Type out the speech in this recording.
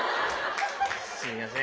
すいません。